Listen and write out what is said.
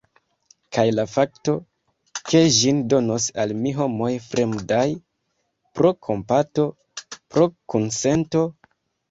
Kaj la fakto, ke ĝin donos al mi homoj fremdaj, pro kompato, pro kunsento?